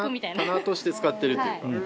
棚として使ってるというか。